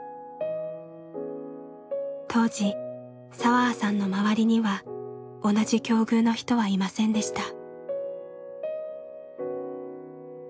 当時彩葉さんの周りには同じ境遇の人はいませんでした。